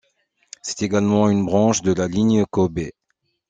C'est également une branche de la ligne Kobe.